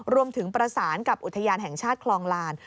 รวมถึงประสานกับอุทยานแห่งชาติคลองลาน